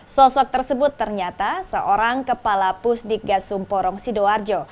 sosok tersebut ternyata seorang kepala pusdik gasumporong sidoarjo